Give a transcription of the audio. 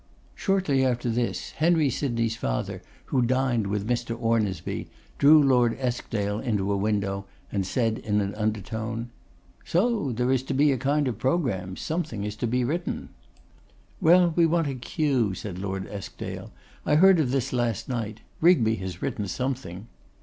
Shortly after this, Henry Sydney's father, who dined with Mr. Ornisby, drew Lord Eskdale into a window, and said in an undertone: 'So there is to be a kind of programme: something is to be written.' 'Well, we want a cue,' said Lord Eskdale. 'I heard of this last night: Rigby has written something.